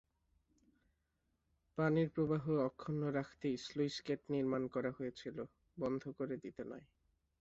পানির প্রবাহ অক্ষুণ্ন রাখতেই স্লুইসগেট নির্মণ করা হয়েছিল, বন্ধ করে দিতে নয়।